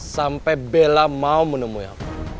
sampai bella mau menemui aku